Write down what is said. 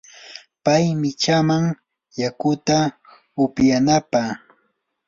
pay michaaman yakuta upyanaata.